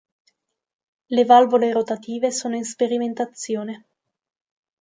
Le valvole rotative sono in sperimentazione.